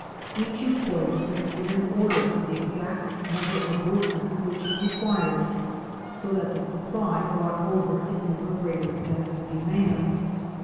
Each employer sends in an order for the exact number of workmen which he requires, so that the supply brought over is never greater than the demand.